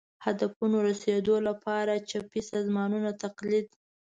هدفونو رسېدو لپاره چپي سازمانونو تقلید